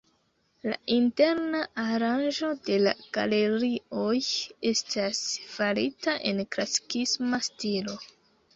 La interna aranĝo de la galerioj estas farita en klasikisma stilo.